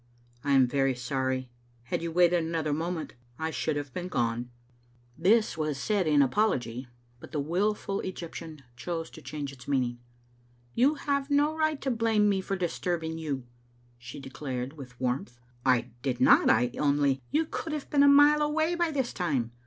" I am very sorry. Had you waited another moment I should have been gone. " Digitized by VjOOQ IC 170 tCbe little Afntotet This was said in apology, but the wilful &g3rptlail chose to change its meaning. " You have no right to blame me for distuibing you/* she declared with warmth. " I did not. I only " ^'You could have been a mile away by this time.